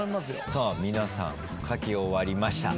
皆さん書き終わりました。